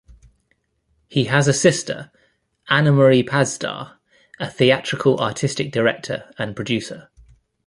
He has a sister, Anamarie Pasdar, a theatrical artistic director and producer.